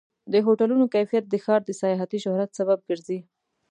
د هوټلونو کیفیت د ښار د سیاحتي شهرت سبب ګرځي.